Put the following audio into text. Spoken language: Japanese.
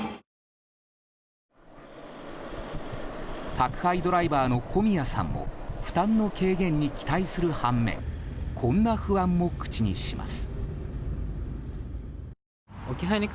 宅配ドライバーの小宮さんも負担の軽減に期待する反面こんな不安も口にします。